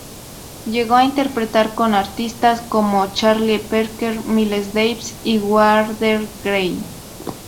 Llegó a interpretar con artistas como Charlie Parker, Miles Davis y Wardell Gray.